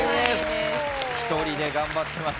一人で頑張ってます